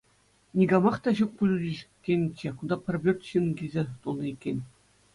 Никамах та ҫук пуль тенӗччӗ — кунта пӗр пӳрт ҫын килсе тулнӑ иккен!